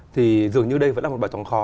thì dường như đây vẫn là một bài toán khó